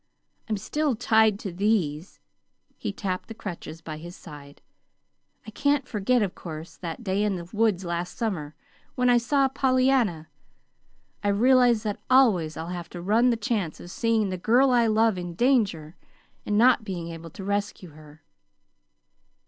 "I'm still tied to these." He tapped the crutches by his side. "I can't forget, of course, that day in the woods last summer, when I saw Pollyanna I realize that always I'll have to run the chance of seeing the girl I love in danger, and not being able to rescue her."